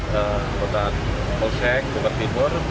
polsek bogor timur